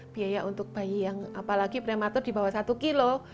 biaya untuk bayi yang apalagi prematur dibawah satu kilo